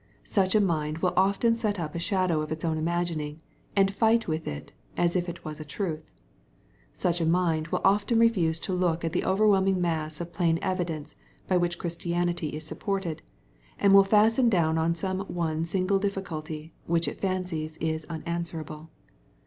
Such a mind will often set up a shadow of its own imagining, and fight with it, as if it was a truth. Such a mind will often refuse to look at the overwhelming mass of plain evidence by which Christianity is supported, and will fasten down on some one single difficulty, which it fancies is unanswerable.